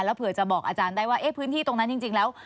เผื่อจะบอกอาจารย์ได้ว่าพื้นที่ตรงนั้นจริงแล้ว